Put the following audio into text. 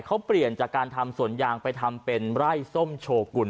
เขาเปลี่ยนจากการทำสวนยางไปทำเป็นไร่ส้มโชกุล